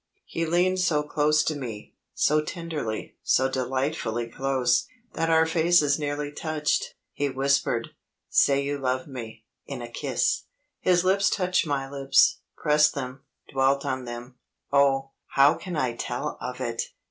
He leaned so close to me, so tenderly, so delightfully close, that our faces nearly touched. He whispered: "Say you love me, in a kiss!" His lips touched my lips, pressed them, dwelt on them oh, how can I tell of it!